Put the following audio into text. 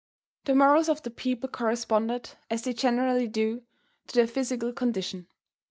The morals of the people corresponded, as they generally do, to their physical condition.